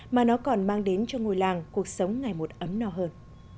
mà nó còn mang đến cho ngôi làng cuộc sống ngày một ấm no hơn